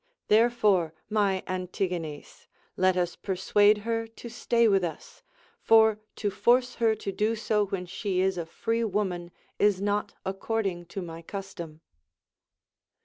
Therefore, my Antigenes, let us persuade her to stay with us, for to force her to do so when she is a free woman is not according to my custom.